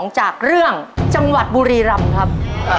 จากเรื่องจังหวัดบุรีรำครับ